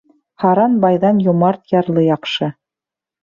Һаран байҙан йомарт ярлы яҡшы.